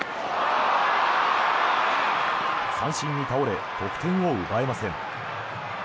三振に倒れ、得点を奪えません。